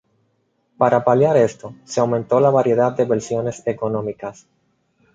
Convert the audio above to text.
Para paliar esto, se aumentó la variedad de versiones económicas.